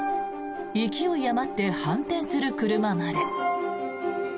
勢い余って反転する車まで。